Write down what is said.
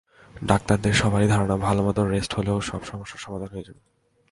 ডাক্তারদের সবারই ধারণা, ভালোমতো রেষ্ট হলেই সব সমস্যার সমাধান হয়ে যাবে।